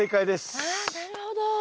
ああなるほど。